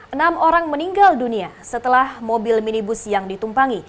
enam orang meninggal dunia setelah mobil minibus yang ditumpangi